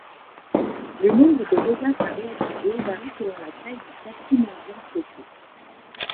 Le nombre de rosaces à réaliser varie selon la taille du tapis mendiant souhaitée.